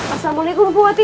assalamualaikum mpu hati